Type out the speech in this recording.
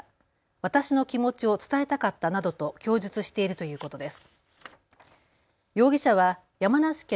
私の気持ちを伝えたかったなどと供述しているということです。